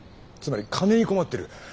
つまり金に困ってる。